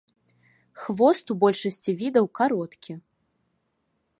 Хвост у большасці відаў кароткі.